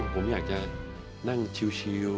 ผมอยากจะนั่งชิล